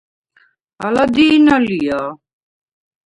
ალა დი̄ნა ლია?